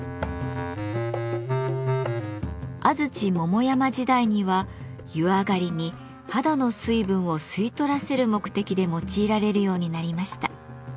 安土桃山時代には湯上がりに肌の水分を吸い取らせる目的で用いられるようになりました。